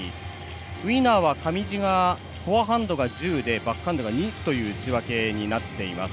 ウイナーは上地フォアハンド、１０でバックハンドが２という打ち分けになっています。